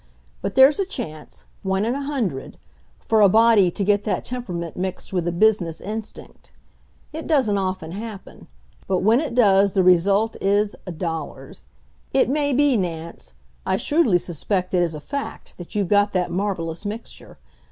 But there's a chance one in a hundred for a body to get that temperament mixed with a business instinct. It doesn't often happen. But when it does the result is dollars. It may be, Nance I shrewdly suspect it is a fact that you've got that marvelous mixture.